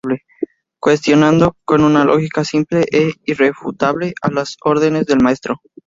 Cuestionando con una lógica simple e irrefutable a las órdenes del Maestro.